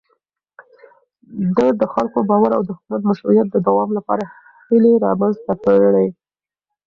ده د خلکو باور او د حکومت مشروعيت د دوام لپاره هيلې رامنځته کړې.